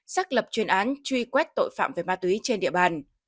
xác lập chuyên án truy quét tội phạm về ma túy trên địa bàn